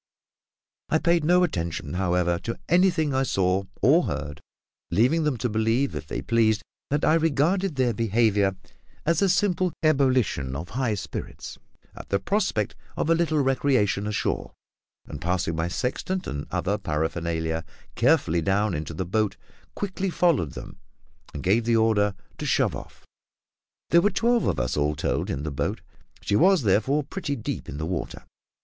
I paid no attention, however, to anything I saw or heard, leaving them to believe, if they pleased, that I regarded their behaviour as a simple ebullition of high spirits at the prospect of a little recreation ashore; and passing my sextant and other paraphernalia carefully down into the boat, quickly followed them and gave the order to shove off. There were twelve of us, all told, in the boat; she was therefore pretty deep in the water.